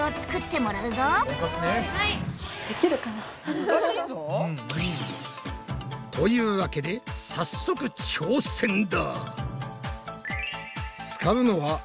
難しいぞ。というわけで早速挑戦だ！